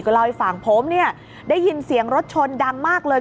เล่าให้ฟังผมเนี่ยได้ยินเสียงรถชนดังมากเลย